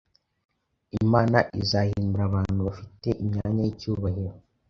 Imana izahindura abantu bafite imyanya y’icyubahiro,